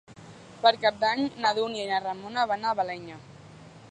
Per Cap d'Any na Dúnia i na Ramona van a Balenyà.